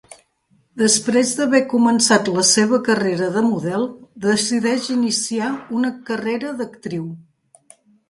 Després d'haver començat la seva carrera de model, decideix iniciar una carrera d'actriu.